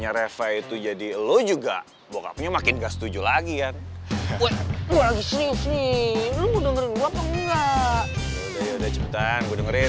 yaudah yaudah cepetan gue dengerin